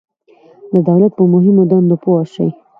د دولت په مهمو دندو پوه شئ.